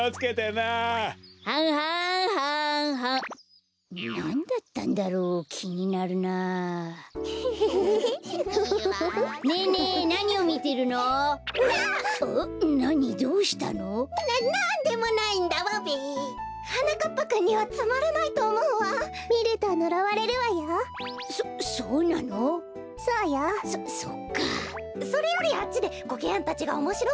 それよりあっちでコケヤンたちがおもしろそうなものみてたわよ。